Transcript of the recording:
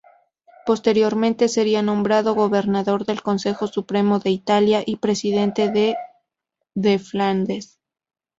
Posteriormente sería nombrado gobernador del Consejo Supremo de Italia y presidente del de Flandes.